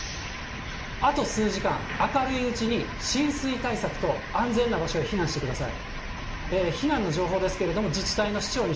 あと数時間、明るいうちに浸水対策と、安全な場所へ避難してください。